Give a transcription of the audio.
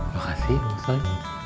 makasih pak ustadz